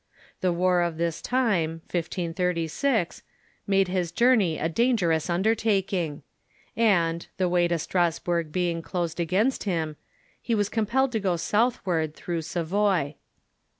The war of this time, 1536, made his journey a dangerous undertaking ; and, the way to Strasburg being closed against him, he was com pelled to go southward through Savoy.